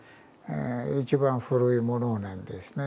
一番古いものなんですね。